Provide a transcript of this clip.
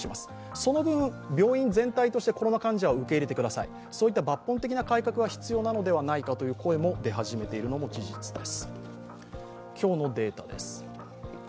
その分、病院全体としてコロナ患者を受け入れてください、そういった抜本的な改革が必要ではないかという声も出始めているのが事実です。